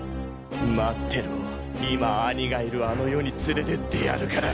待ってろ今兄がいるあの世に連れてってやるから。